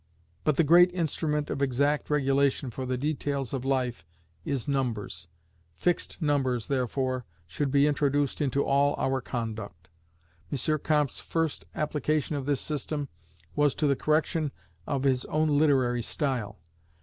But the great instrument of exact regulation for the details of life is numbers: fixed numbers, therefore, should be introduced into all our conduct. M. Comte's first application of this system was to the correction of his own literary style.